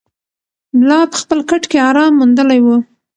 ملا په خپل کټ کې ارام موندلی و.